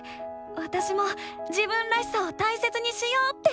わたしも「自分らしさ」を大切にしようって思ったよ！